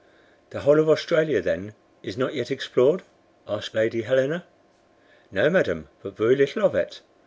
"The whole of Australia, then, is not yet explored?" asked Lady Helena. "No, madam, but very little of it.